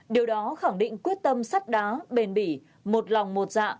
điều đó khẳng định quyết tâm sắt đá bền bỉ một lòng một dạ